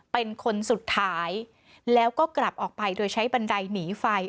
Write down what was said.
เป็นคนสุดท้ายแล้วก็กลับออกไปโดยใช้บันไดหนีไฟ